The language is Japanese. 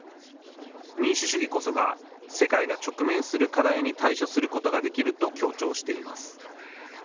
民主主義こそが、世界が直面する課題に対処することができると強調しています。